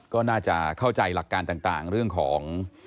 ก็น่าจะเข้าใจหลักการต่างเรื่องของ